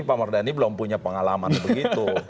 pak mardhani belum punya pengalaman begitu